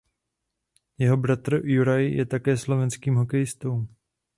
Jeho bratr Juraj je také slovenským hokejistou.